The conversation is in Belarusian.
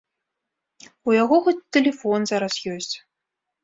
У яго хоць тэлефон зараз ёсць.